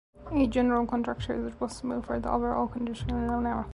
A general contractor is responsible for the overall coordination of a project.